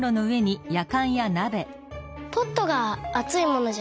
ポットがあついものじゃない？